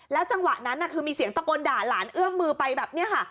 จังหวะนั้นคือมีเสียงตะโกนด่าหลานเอื้อมมือไปแบบนี้ค่ะ